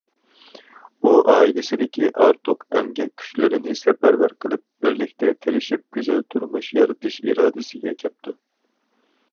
ئۇ ئائىلىسىدىكى ئارتۇق ئەمگەك كۈچلىرىنى سەپەرۋەر قىلىپ، بىرلىكتە تىرىشىپ گۈزەل تۇرمۇش يارىتىش ئىرادىسىگە كەپتۇ.